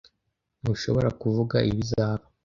Ntushobora kuvuga ibizaba.